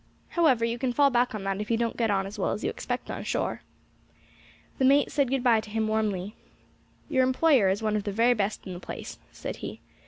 However, you can fall back on that if you don't get on as well as you expect on shore." The mate said good bye to him warmly. "Your employer is one of the very best in the place," said he.